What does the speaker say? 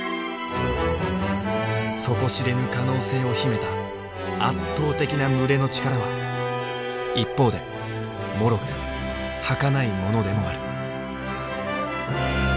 底知れぬ可能性を秘めた圧倒的な群れの力は一方で脆く儚いものでもある。